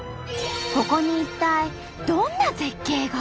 ここに一体どんな絶景が？